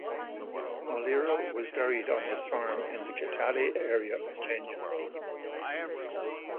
Muliro was buried on his farm in the Kitale area of Kenya.